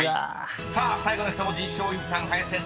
［さあ最後の１文字松陰寺さん林先生